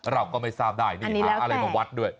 เราก็ไม่ทราบได้นี่หาอะไรมาวัดด้วย